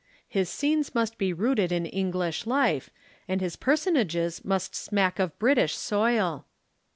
His scenes must be rooted in English life, and his personages must smack of British soil."